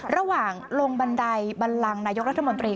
ระหว่างลงบันไดบันลังนายกรัฐมนตรี